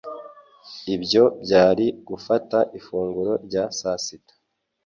Ibyo byari gufata ifunguro rya sasita